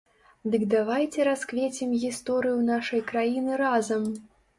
Дык давайце расквецім гісторыю нашай краіны разам!